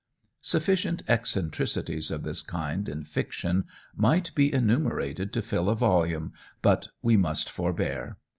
Sufficient eccentricities of this kind in fiction might be enumerated to fill a volume, but we must forbear.